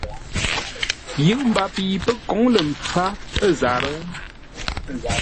Yʉʼ mbap yi pə́ kǒŋ lə̂ mpfár ə̂ zarə́?